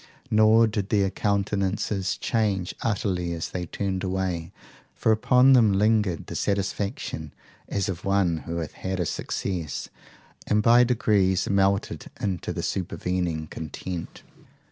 Nor did their countenances change utterly as they turned away, for upon them lingered the satisfaction as of one who hath had a success, and by degrees melted into the supervening content.